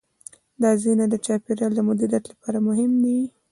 دا ځایونه د چاپیریال د مدیریت لپاره مهم دي.